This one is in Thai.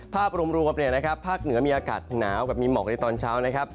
ภาพรวมภาคเหนือมีอากาศหนาวแบบมีหมอกในตอนเช้านะครับ